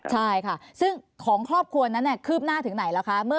ใช่ค่ะซึ่งของครอบครัวนั้นคืบหน้าถึงไหนแล้วคะ